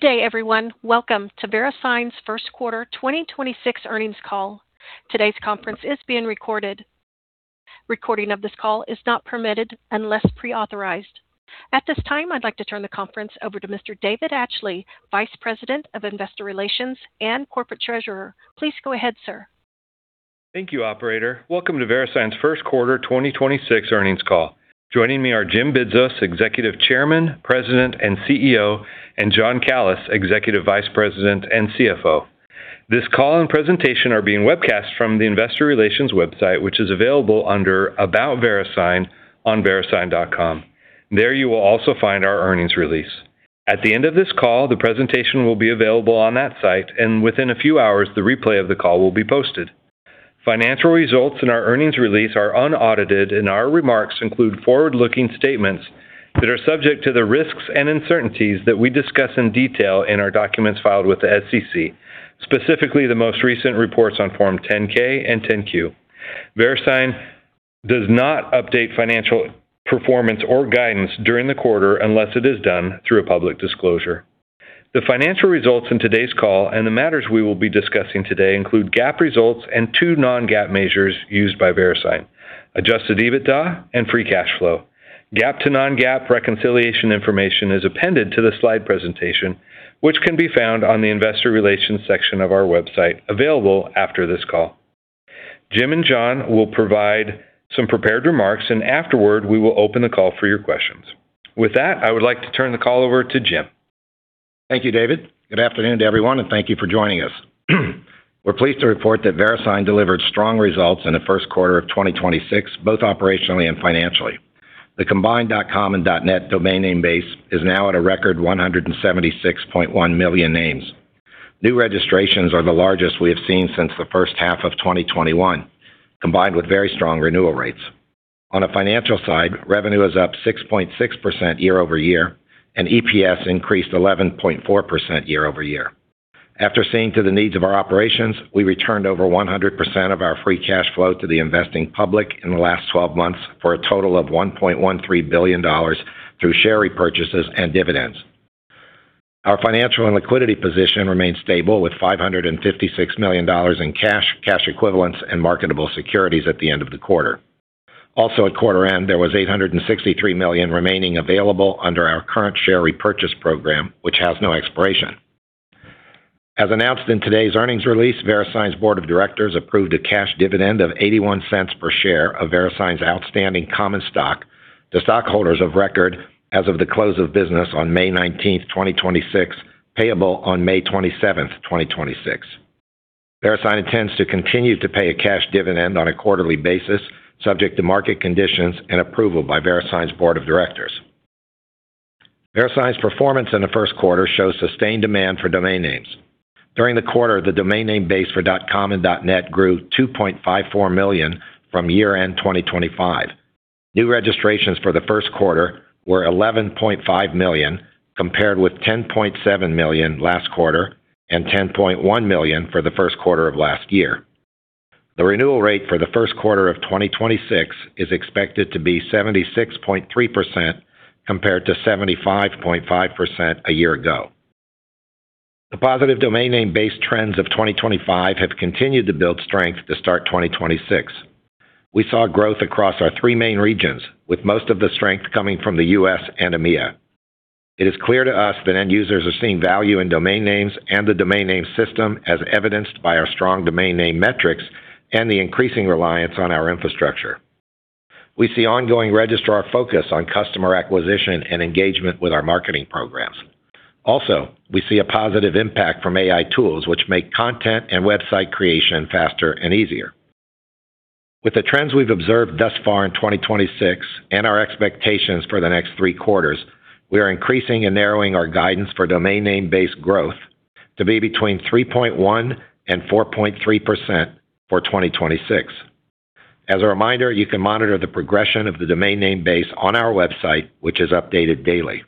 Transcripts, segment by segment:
Good day, everyone. Welcome to VeriSign's Q1 2026 earnings call. Today's conference is being recorded. Recording of this call is not permitted unless pre-authorized. At this time, I'd like to turn the conference over to Mr. David Atchley, Vice President of Investor Relations and Corporate Treasurer. Please go ahead, sir. Thank you, operator. Welcome to VeriSign's Q1 2026 earnings call. Joining me are Jim Bidzos, Executive Chairman, President, and CEO, and John Calys, Executive Vice President and CFO. This call and presentation are being webcast from the investor relations website, which is available under About VeriSign on verisign.com. There you will also find our earnings release. At the end of this call, the presentation will be available on that site, and within a few hours, the replay of the call will be posted. Financial results in our earnings release are unaudited, and our remarks include forward-looking statements that are subject to the risks and uncertainties that we discuss in detail in our documents filed with the SEC, specifically the most recent reports on Form 10-K and 10-Q. VeriSign does not update financial performance or guidance during the quarter unless it is done through a public disclosure. The financial results in today's call and the matters we will be discussing today include GAAP results and two non-GAAP measures used by VeriSign, adjusted EBITDA and free cash flow. GAAP to non-GAAP reconciliation information is appended to the slide presentation, which can be found on the investor relations section of our website, available after this call. Jim and John will provide some prepared remarks, and afterward, we will open the call for your questions. With that, I would like to turn the call over to Jim. Thank you, David. Good afternoon to everyone, and thank you for joining us. We're pleased to report that VeriSign delivered strong results in the Q1 of 2026, both operationally and financially. The combined .com and .net domain name base is now at a record 176.1 million names. New registrations are the largest we have seen since the H1 of 2021, combined with very strong renewal rates. On a financial side, revenue is up 6.6% year-over-year, and EPS increased 11.4% year-over-year. After seeing to the needs of our operations, we returned over 100% of our free cash flow to the investing public in the last 12 months for a total of $1.13 billion through share repurchases and dividends. Our financial and liquidity position remains stable with $556 million in cash equivalents, and marketable securities at the end of the quarter. At quarter end, there was $863 million remaining available under our current share repurchase program, which has no expiration. As announced in today's earnings release, VeriSign's board of directors approved a cash dividend of $0.81 per share of VeriSign's outstanding common stock to stockholders of record as of the close of business on May 19th, 2026, payable on May 27th, 2026. VeriSign intends to continue to pay a cash dividend on a quarterly basis, subject to market conditions and approval by VeriSign's board of directors. VeriSign's performance in the Q1 shows sustained demand for domain names. During the quarter, the domain name base for .com and .net grew 2.54 million from year-end 2025. New registrations for the Q1 were 11.5 million, compared with 10.7 million last quarter and 10.1 million for the Q1 of last year. The renewal rate for the Q1 of 2026 is expected to be 76.3%, compared to 75.5% a year ago. The positive domain name base trends of 2025 have continued to build strength to start 2026. We saw growth across our three main regions, with most of the strength coming from the U.S. and EMEA. It is clear to us that end users are seeing value in domain names and the domain name system as evidenced by our strong domain name metrics and the increasing reliance on our infrastructure. We see ongoing registrar focus on customer acquisition and engagement with our marketing programs. Also, we see a positive impact from AI tools, which make content and website creation faster and easier. With the trends we've observed thus far in 2026 and our expectations for the next three quarters, we are increasing and narrowing our guidance for domain name base growth to be between 3.1% and 4.3% for 2026. As a reminder, you can monitor the progression of the domain name base on our website, which is updated daily.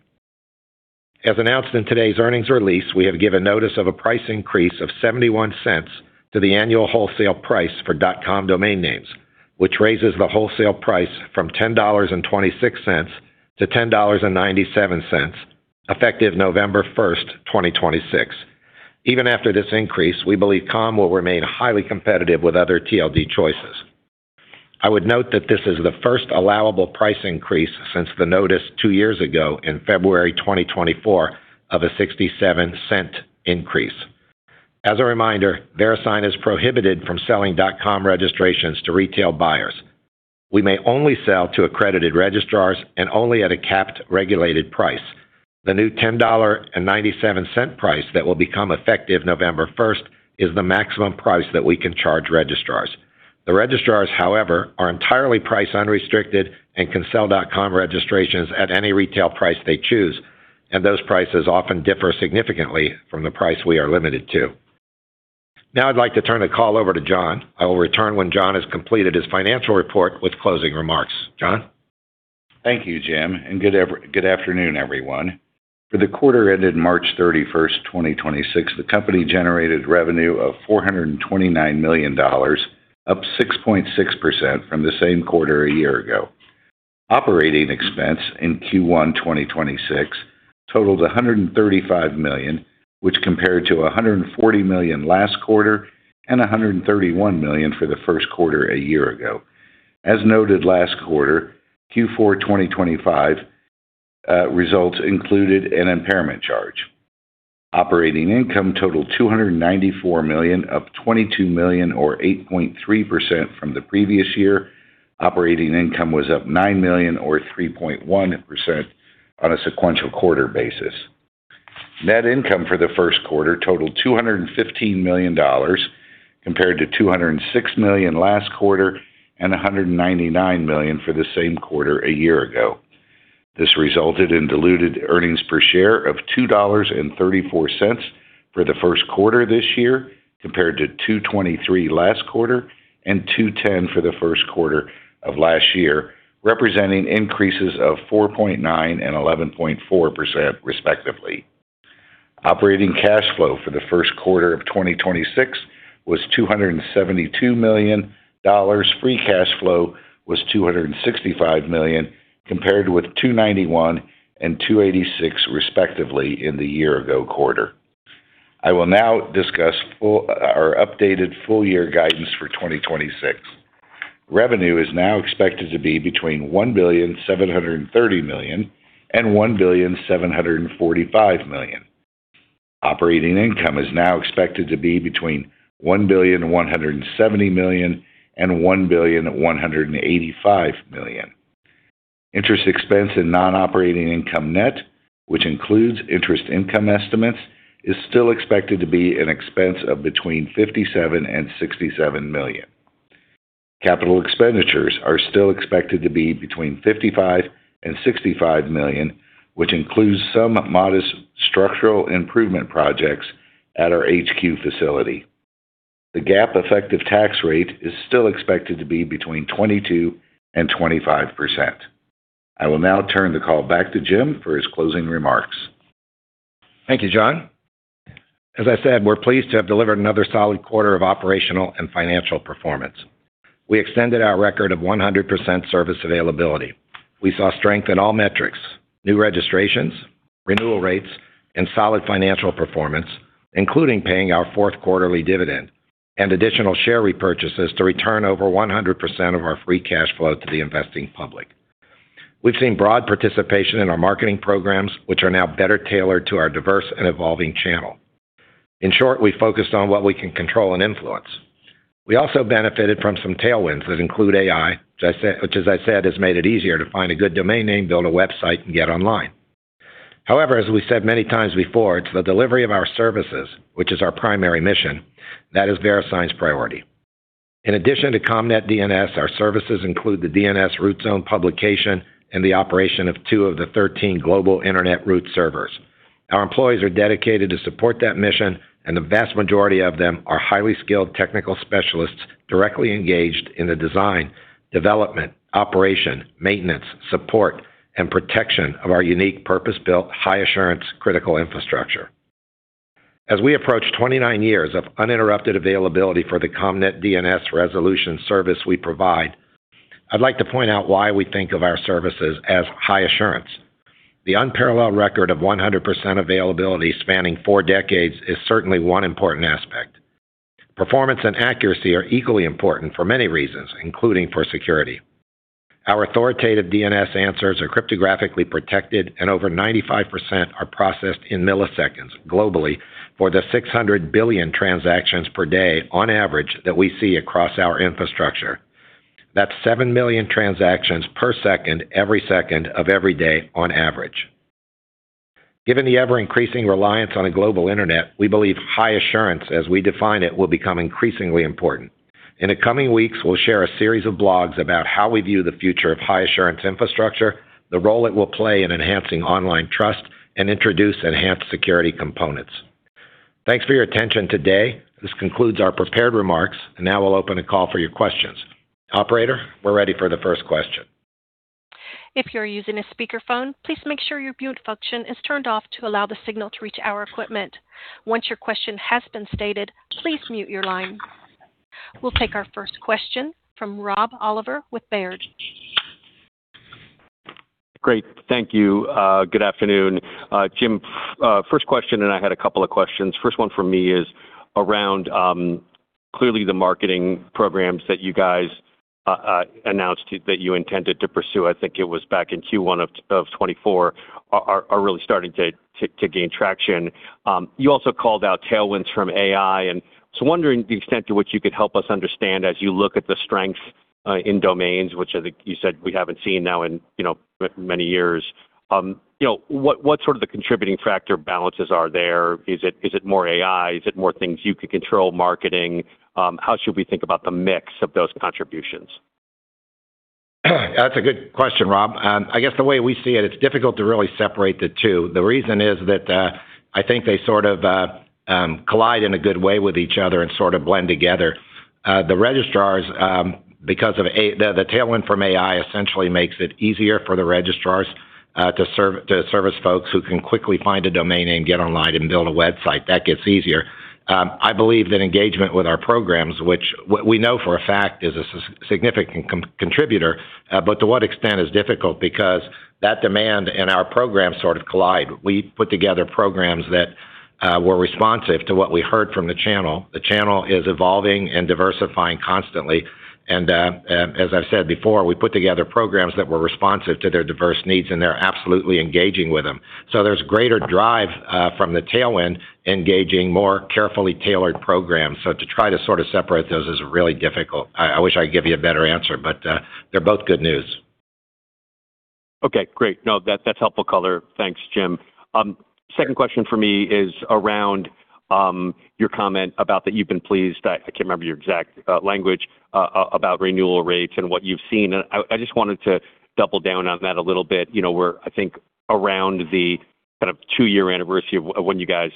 As announced in today's earnings release, we have given notice of a price increase of $0.71 to the annual wholesale price for .com domain names, which raises the wholesale price from $10.26 to $10.97, effective November 1st, 2026. Even after this increase, we believe .com will remain highly competitive with other TLD choices. I would note that this is the first allowable price increase since the notice two years ago in February 2024 of a $0.67 increase. As a reminder, VeriSign is prohibited from selling .com registrations to retail buyers. We may only sell to accredited registrars and only at a capped regulated price. The new $10.97 price that will become effective November 1st is the maximum price that we can charge registrars. The registrars, however, are entirely price unrestricted and can sell .com registrations at any retail price they choose, and those prices often differ significantly from the price we are limited to. Now I'd like to turn the call over to John. I will return when John has completed his financial report with closing remarks. John? Thank you, Jim, and good afternoon, everyone. For the quarter ended March 31st, 2026, the company generated revenue of $429 million, up 6.6% from the same quarter a year ago. Operating expense in Q1 2026 totaled $135 million, which compared to $140 million last quarter and $131 million for the Q1 a year ago. As noted last quarter, Q4 2025 results included an impairment charge. Operating income totaled $294 million, up $22 million or 8.3% from the previous year. Operating income was up $9 million or 3.1% on a sequential quarter basis. Net income for the Q1 totaled $215 million, compared to $206 million last quarter and $199 million for the same quarter a year ago. This resulted in diluted earnings per share of $2.34 for the Q1 this year, compared to $2.23 last quarter and $2.10 for the Q1 of last year, representing increases of 4.9% and 11.4% respectively. Operating cash flow for the Q1 of 2026 was $272 million. Free cash flow was $265 million, compared with $291 million and $286 million respectively in the year-ago quarter. I will now discuss our updated full year guidance for 2026. Revenue is now expected to be between $1.730 billion and $1.745 billion. Operating income is now expected to be between $1.170 billion and $1.185 billion. Interest expense and non-operating income net, which includes interest income estimates, is still expected to be an expense of between $57 million and $67 million. Capital expenditures are still expected to be between $55 million and $65 million, which includes some modest structural improvement projects at our HQ facility. The GAAP effective tax rate is still expected to be between 22% and 25%. I will now turn the call back to Jim for his closing remarks. Thank you, John. As I said, we're pleased to have delivered another solid quarter of operational and financial performance. We extended our record of 100% service availability. We saw strength in all metrics, new registrations, renewal rates, and solid financial performance, including paying our fourth quarterly dividend and additional share repurchases to return over 100% of our free cash flow to the investing public. We've seen broad participation in our marketing programs, which are now better tailored to our diverse and evolving channel. In short, we focused on what we can control and influence. We also benefited from some tailwinds that include AI, which as I said, has made it easier to find a good domain name, build a website, and get online. However, as we said many times before, it's the delivery of our services, which is our primary mission, that is VeriSign's priority. In addition to .com/.net DNS, our services include the DNS Root Zone publication and the operation of two of the 13 global internet root servers. Our employees are dedicated to support that mission, and the vast majority of them are highly skilled technical specialists directly engaged in the design, development, operation, maintenance, support, and protection of our unique purpose-built, high assurance, critical infrastructure. As we approach 29 years of uninterrupted availability for the .com/.net DNS resolution service we provide, I'd like to point out why we think of our services as high assurance. The unparalleled record of 100% availability spanning four decades is certainly one important aspect. Performance and accuracy are equally important for many reasons, including for security. Our authoritative DNS answers are cryptographically protected and over 95% are processed in milliseconds globally for the 600 billion transactions per day on average, that we see across our infrastructure. That's 7 million transactions per second every second of every day on average. Given the ever-increasing reliance on a global internet, we believe high assurance, as we define it, will become increasingly important. In the coming weeks, we'll share a series of blogs about how we view the future of high assurance infrastructure, the role it will play in enhancing online trust, and introduce enhanced security components. Thanks for your attention today. This concludes our prepared remarks, and now we'll open the call for your questions. Operator, we're ready for the first question. If you're using a speakerphone, please make sure your mute function is turned off to allow the signal to reach our equipment. Once your question has been stated, please mute your line. We'll take our first question from Rob Oliver with Baird. Great. Thank you. Good afternoon. Jim, first question, and I had a couple of questions. First one from me is around, clearly the marketing programs that you guys announced that you intended to pursue, I think it was back in Q1 of 2024, are really starting to gain traction. You also called out tailwinds from AI, and so wondering the extent to which you could help us understand as you look at the strength in domains, which I think you said we haven't seen now in many years. What sort of the contributing factor balances are there? Is it more AI? Is it more things you could control, marketing? How should we think about the mix of those contributions? That's a good question, Rob. I guess the way we see it's difficult to really separate the two. The reason is that, I think they sort of collide in a good way with each other and sort of blend together. The registrars, because of the tailwind from AI, essentially makes it easier for the registrars to service folks who can quickly find a domain name, get online, and build a website. That gets easier. I believe that engagement with our programs, which we know for a fact is a significant contributor. To what extent is difficult because that demand and our program sort of collide. We put together programs that were responsive to what we heard from the channel. The channel is evolving and diversifying constantly, and, as I've said before, we put together programs that were responsive to their diverse needs, and they're absolutely engaging with them. There's greater drive from the tailwind, engaging more carefully tailored programs. To try to sort of separate those is really difficult. I wish I could give you a better answer, but they're both good news. Okay, great. No, that's helpful color. Thanks, Jim. Second question for me is around your comment about that you've been pleased, I can't remember your exact language, about renewal rates and what you've seen. I just wanted to double down on that a little bit. We're, I think, around the kind of two-year anniversary of when you guys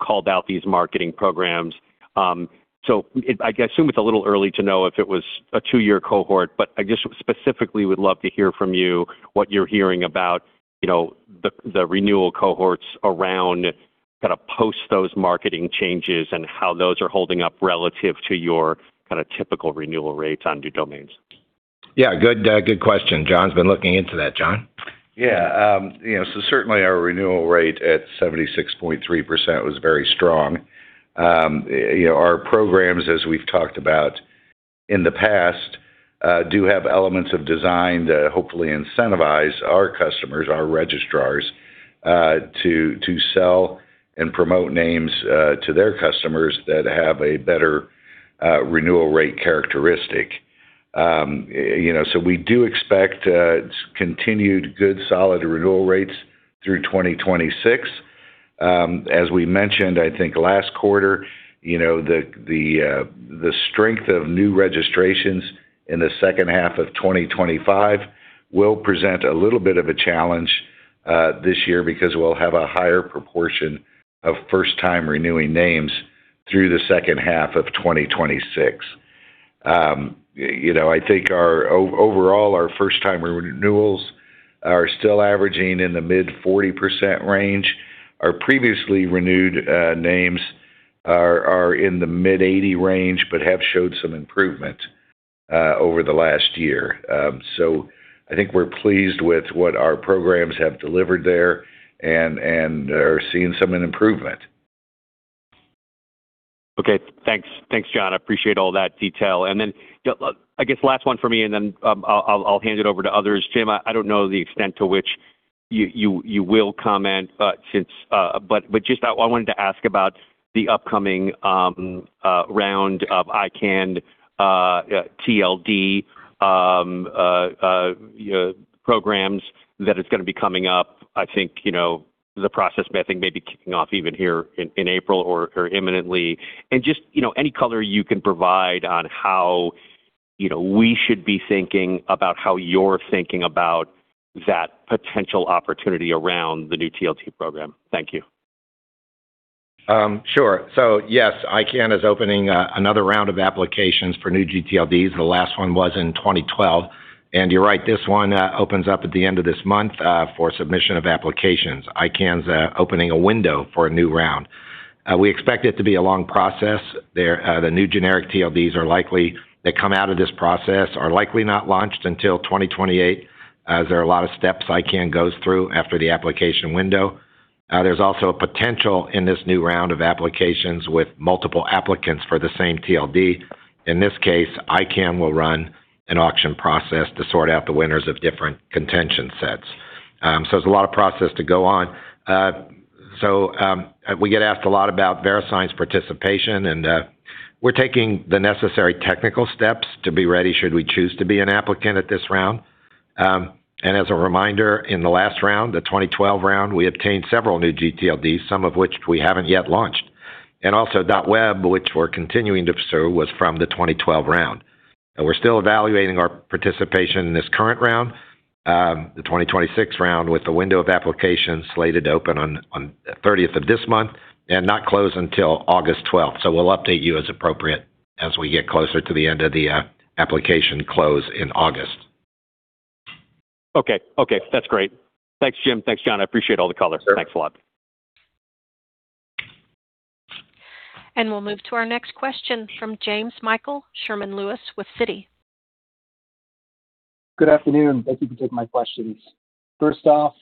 called out these marketing programs. I assume it's a little early to know if it was a two-year cohort, but I just specifically would love to hear from you what you're hearing about the renewal cohorts around kind of post those marketing changes and how those are holding up relative to your kind of typical renewal rates on new domains. Yeah. Good question. John's been looking into that. John? Yeah. Certainly, our renewal rate at 76.3% was very strong. Our programs, as we've talked about in the past, do have elements of design to hopefully incentivize our customers, our registrars, to sell and promote names, to their customers that have a better renewal rate characteristic. We do expect continued good, solid renewal rates through 2026. As we mentioned, I think last quarter, the strength of new registrations in the H2 of 2025 will present a little bit of a challenge this year because we'll have a higher proportion of first-time renewing names through the H2 of 2026. I think overall, our first-time renewals are still averaging in the mid-40% range. Our previously renewed names are in the mid-80% range, but have showed some improvement over the last year. I think we're pleased with what our programs have delivered there and are seeing some improvement. Okay. Thanks. Thanks, John. I appreciate all that detail. Then I guess last one for me, and then I'll hand it over to others. Jim, I don't know the extent to which you will comment, but I just wanted to ask about the upcoming round of ICANN TLD programs that is going to be coming up. I think the process may be kicking off even here in April or imminently. Just any color you can provide on how we should be thinking about how you're thinking about that potential opportunity around the new TLD program. Thank you. Sure. Yes, ICANN is opening another round of applications for new gTLDs. The last one was in 2012. You're right, this one opens up at the end of this month, for submission of applications. ICANN's opening a window for a new round. We expect it to be a long process. The new generic TLDs that come out of this process are likely not launched until 2028, as there are a lot of steps ICANN goes through after the application window. There's also a potential in this new round of applications with multiple applicants for the same TLD. In this case, ICANN will run an auction process to sort out the winners of different contention sets. There's a lot of process to go on. We get asked a lot about VeriSign's participation, and we're taking the necessary technical steps to be ready should we choose to be an applicant at this round. As a reminder, in the last round, the 2012 round, we obtained several new gTLDs, some of which we haven't yet launched. Also .web, which we're continuing to pursue, was from the 2012 round. We're still evaluating our participation in this current round, the 2026 round, with the window of application slated to open on the 30th of this month and not close until August 12th. We'll update you as appropriate as we get closer to the end of the application close in August. Okay. That's great. Thanks, Jim. Thanks, John. I appreciate all the color. Sure. Thanks a lot. We'll move to our next question from Jamesmichael Sherman-Lewis with Citi. Good afternoon. Thank you for taking my questions. First off,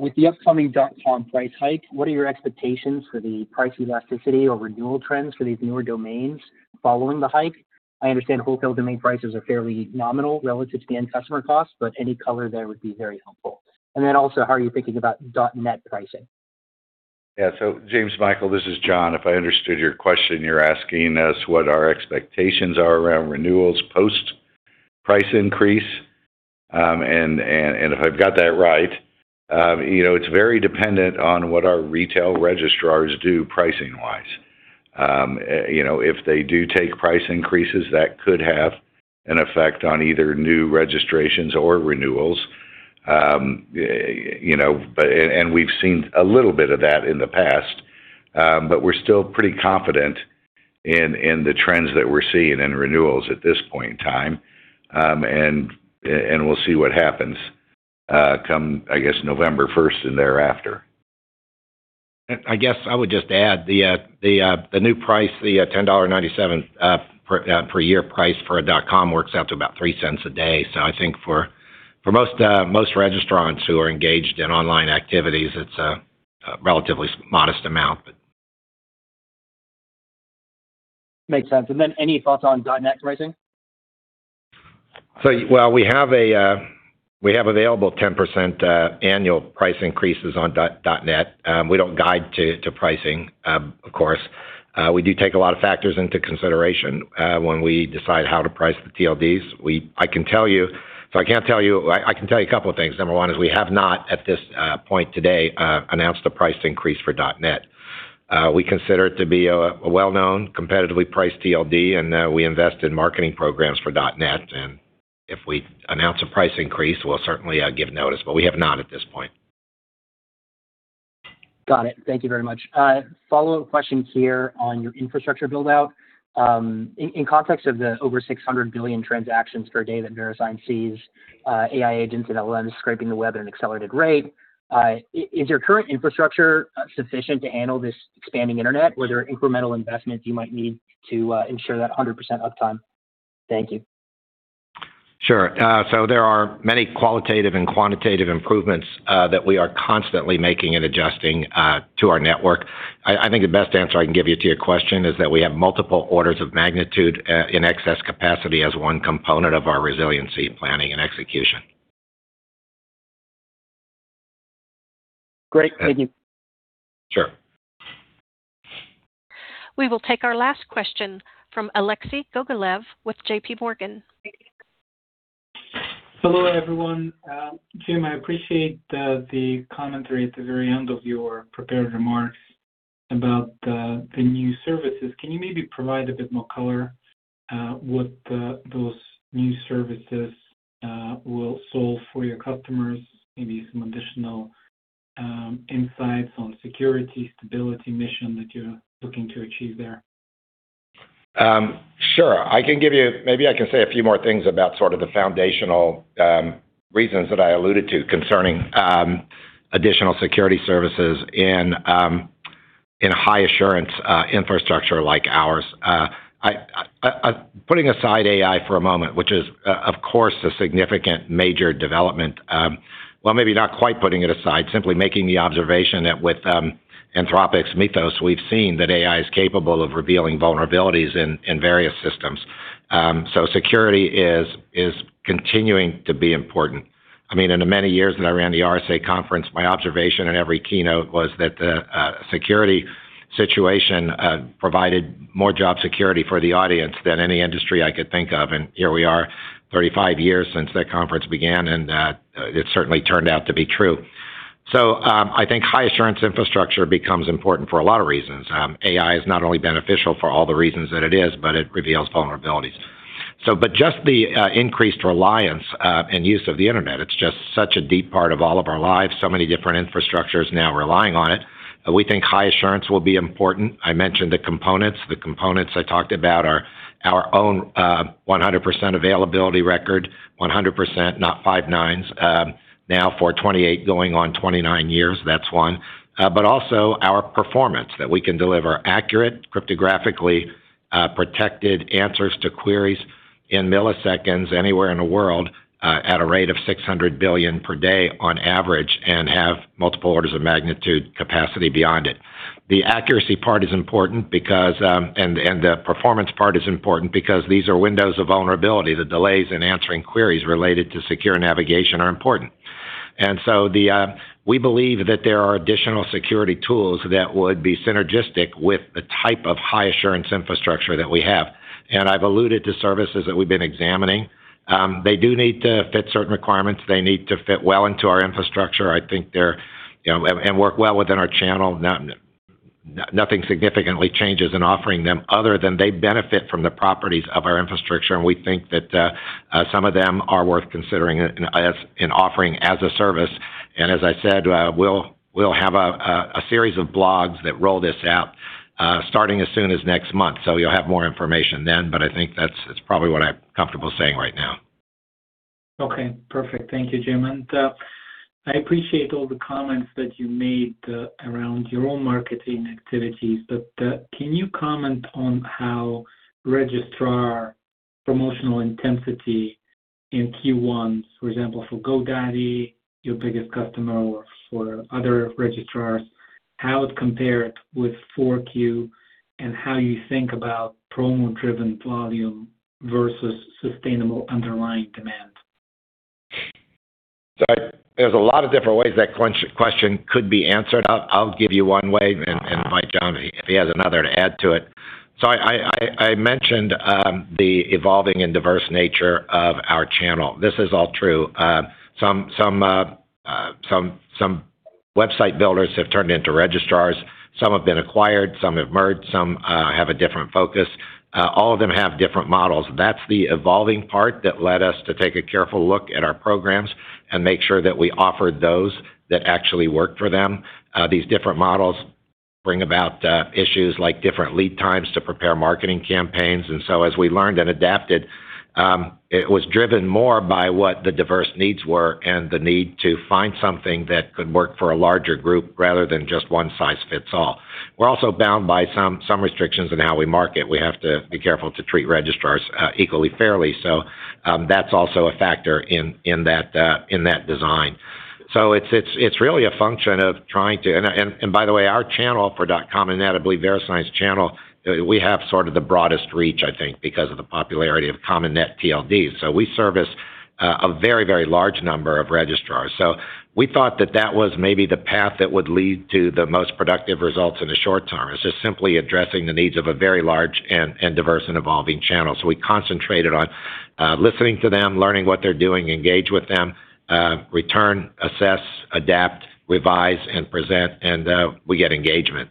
with the upcoming .com price hike, what are your expectations for the price elasticity or renewal trends for these newer domains following the hike? I understand wholesale domain prices are fairly nominal relative to the end customer cost, but any color there would be very helpful. How are you thinking about .net pricing? Yeah. Jamesmichael, this is John. If I understood your question, you're asking us what our expectations are around renewals post price increase. If I've got that right, it's very dependent on what our retail registrars do pricing-wise. If they do take price increases, that could have an effect on either new registrations or renewals. We've seen a little bit of that in the past. We're still pretty confident In the trends that we're seeing in renewals at this point in time. We'll see what happens come, I guess, November 1st and thereafter. I guess I would just add, the new price, the $10.97 per year price for a .com works out to about $0.03 a day. I think for most registrants who are engaged in online activities, it's a relatively modest amount. Makes sense. Any thoughts on .net pricing? Well, we have available 10% annual price increases on .net. We don't guide to pricing, of course. We do take a lot of factors into consideration when we decide how to price the TLDs. I can tell you a couple of things. Number one is we have not, at this point today, announced a price increase for .net. We consider it to be a well-known, competitively priced TLD, and we invest in marketing programs for .net. If we announce a price increase, we'll certainly give notice, but we have not at this point. Got it. Thank you very much. A follow-up question here on your infrastructure build-out. In context of the over 600 billion transactions per day that VeriSign sees, AI agents and LLMs scraping the web at an accelerated rate, is your current infrastructure sufficient to handle this expanding internet? Were there incremental investments you might need to ensure that 100% uptime? Thank you. Sure. There are many qualitative and quantitative improvements that we are constantly making and adjusting to our network. I think the best answer I can give you to your question is that we have multiple orders of magnitude in excess capacity as one component of our resiliency planning and execution. Great. Thank you. Sure. We will take our last question from Alexei Gogolev with JPMorgan. Hello, everyone. Jim, I appreciate the commentary at the very end of your prepared remarks about the new services. Can you maybe provide a bit more color what those new services will solve for your customers, maybe some additional insights on security, stability mission that you're looking to achieve there? Sure. Maybe I can say a few more things about sort of the foundational reasons that I alluded to concerning additional security services in high-assurance infrastructure like ours. Putting aside AI for a moment, which is, of course, a significant major development. Well, maybe not quite putting it aside, simply making the observation that with Anthropic's Mythos, we've seen that AI is capable of revealing vulnerabilities in various systems. Security is continuing to be important. In the many years that I ran the RSAC Conference, my observation in every keynote was that the security situation provided more job security for the audience than any industry I could think of. Here we are, 35 years since that conference began, and it certainly turned out to be true. I think high-assurance infrastructure becomes important for a lot of reasons. AI is not only beneficial for all the reasons that it is, but it reveals vulnerabilities. Just the increased reliance and use of the internet, it's just such a deep part of all of our lives, so many different infrastructures now relying on it, we think high assurance will be important. I mentioned the components. The components I talked about are our own 100% availability record, 100%, not 5 nines, now for 28 going on 29 years. That's one. Also our performance, that we can deliver accurate cryptographically protected answers to queries in milliseconds anywhere in the world at a rate of 600 billion per day on average and have multiple orders of magnitude capacity beyond it. The accuracy part is important, and the performance part is important because these are windows of vulnerability. The delays in answering queries related to secure navigation are important. We believe that there are additional security tools that would be synergistic with the type of high-assurance infrastructure that we have. I've alluded to services that we've been examining. They do need to fit certain requirements. They need to fit well into our infrastructure, and work well within our channel. Nothing significantly changes in offering them other than they benefit from the properties of our infrastructure, and we think that some of them are worth considering in offering as a service. As I said, we'll have a series of blogs that roll this out starting as soon as next month. You'll have more information then, but I think that's probably what I'm comfortable saying right now. Okay, perfect. Thank you, Jim, and I appreciate all the comments that you made around your own marketing activities. Can you comment on how registrar promotional intensity in Q1, for example, for GoDaddy, your biggest customer, or for other registrars, how it compared with Q4 and how you think about promo-driven volume versus sustainable underlying demand? There's a lot of different ways that question could be answered. I'll give you one way, and invite John, if he has another, to add to it. I mentioned the evolving and diverse nature of our channel. This is all true. Some website builders have turned into registrars. Some have been acquired, some have merged, some have a different focus. All of them have different models. That's the evolving part that led us to take a careful look at our programs and make sure that we offered those that actually worked for them. These different models bring about issues like different lead times to prepare marketing campaigns as we learned and adapted, it was driven more by what the diverse needs were and the need to find something that could work for a larger group rather than just one size fits all. We're also bound by some restrictions in how we market. We have to be careful to treat registrars equally fairly. That's also a factor in that design. It's really a function of by the way, our channel for .com and .net, I believe VeriSign's channel, we have sort of the broadest reach, I think, because of the popularity of .com and .net TLDs. We service a very, very large number of registrars. We thought that was maybe the path that would lead to the most productive results in the short term, is just simply addressing the needs of a very large and diverse and evolving channel. We concentrated on listening to them, learning what they're doing, engage with them, return, assess, adapt, revise, and present, and we get engagement.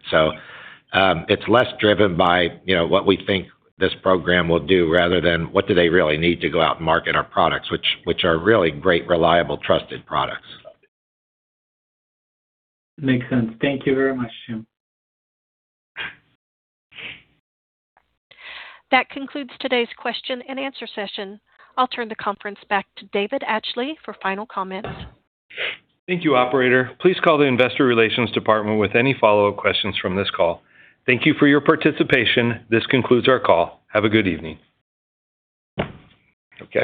It's less driven by what we think this program will do rather than what they really need to go out and market our products, which are really great, reliable, trusted products. Makes sense. Thank you very much, Jim. That concludes today's question and answer session. I'll turn the conference back to David Atchley for final comments. Thank you, operator. Please call the investor relations department with any follow-up questions from this call. Thank you for your participation. This concludes our call. Have a good evening. Okay.